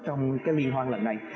trong cái liên hoan lần này